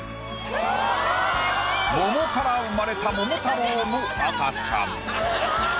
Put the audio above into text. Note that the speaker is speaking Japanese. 桃から生まれた桃太郎の赤ちゃん。